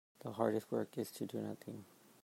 The hardest work is to do nothing.